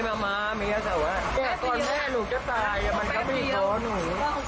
ถ้ามันก็ไม่อยากโกรธหนู